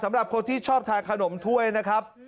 สำหรับคนที่ชอบทานขนมถ้วยนะครับ